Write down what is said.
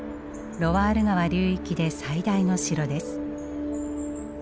ロワール川流域で最大の城です。